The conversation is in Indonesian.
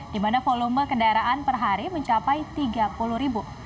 di mana volume kendaraan per hari mencapai tiga puluh ribu